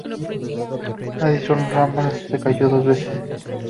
Addison Randall se casó dos veces.